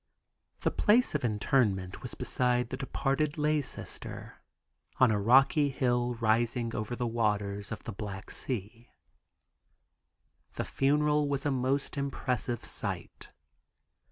The place of interment was beside the departed lay Sister, on a rocky hill rising over the waters of the Black Sea. The funeral was a most impressive sight.